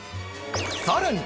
さらに！